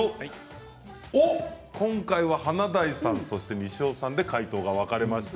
今回は華大さんそして西尾さんで解答が分かれました。